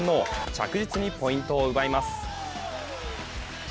着実にポイントを奪います。